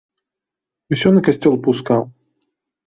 Усё на касцёл пускаў.